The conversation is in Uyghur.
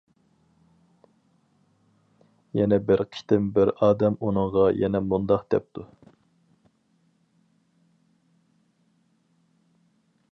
يەنە بىر قېتىم بىر ئادەم ئۇنىڭغا يەنە مۇنداق دەپتۇ.